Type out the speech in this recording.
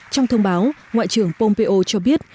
trong thông báo ngoại trưởng pompeo cho biết